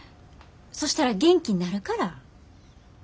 そしたら元気になるから。